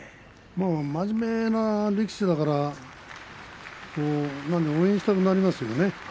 真面目な力士だから応援したくなりますよね。